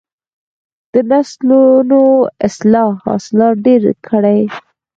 د نسلونو اصلاح حاصلات ډیر کړي.